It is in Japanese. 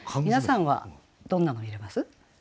皆さんはどんなの入れます？